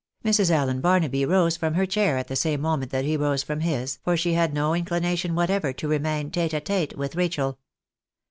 Mrs. Allen Barnaby rose from her chair at the same moment that he rose from his, for she had no incUnation whatever to remain tete a tete with Rachel.